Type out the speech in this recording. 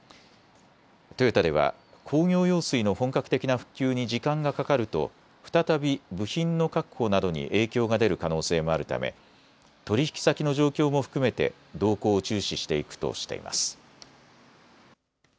トヨタでは工業用水の本格的な復旧に時間がかかると再び部品の確保などに影響が出る可能性もあるため取引先の状況も含めて動向を注視していくとしています。